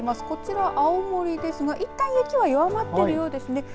こちら青森ですが、いったん雪は弱まっているようですね。